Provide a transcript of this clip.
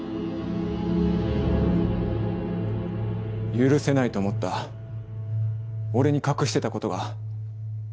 許せないと思った俺に隠してたことが。